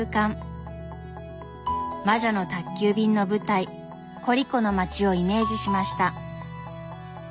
「魔女の宅急便」の舞台コリコの町をイメージしました。